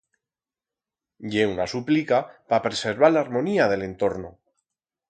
Ye una suplica pa preservar l'harmonía de l'entorno.